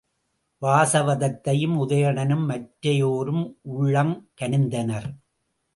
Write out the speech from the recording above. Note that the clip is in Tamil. வாசவதத்தையும் உதயணனும் மற்றையோரும் உள்ளங்களித்தனர்.